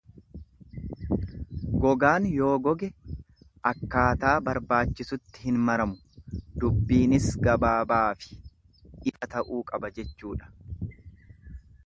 Gogaan yoo goge akkaataa barbaachisutti hin maramu, dubbiinis gabaabaafi ifa ta'uu qaba jechuudha.